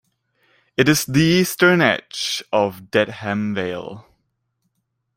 It is the eastern edge of Dedham Vale.